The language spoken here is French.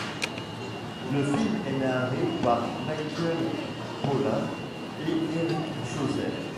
Le film est narré par Michael Pollan et Eric Schlosser.